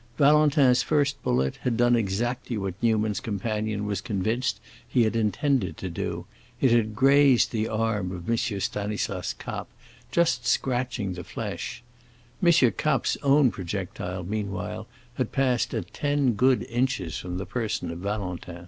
Valentin's first bullet had done exactly what Newman's companion was convinced he had intended it to do; it had grazed the arm of M. Stanislas Kapp, just scratching the flesh. M. Kapp's own projectile, meanwhile, had passed at ten good inches from the person of Valentin.